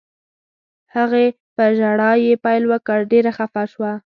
هغې په ژړا یې پیل وکړ، ډېره خفه شوه.